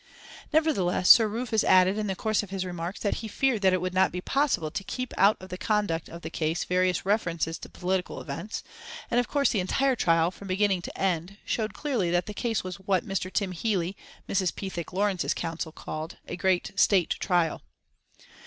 Nevertheless Sir Rufus added in the course of his remarks that he feared that it would not be possible to keep out of the conduct of the case various references to political events, and of course the entire trial, from beginning to end, showed clearly that the case was what Mr. Tim Healey, Mrs. Pethick Lawrence's counsel, called it, a great State Trial.